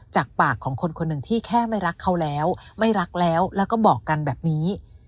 จากปากของคนคนหนึ่งที่แค่ไม่รักเขาแล้วไม่รักแล้วแล้วก็บอกกันแบบนี้